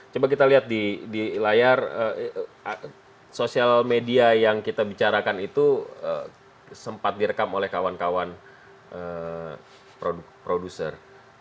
coba kita lihat di layar sosial media yang kita bicarakan itu sempat direkam oleh kawan kawan produser